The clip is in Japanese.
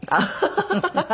ハハハハ！